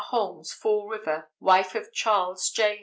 Holmes, Fall River, wife of Charles J.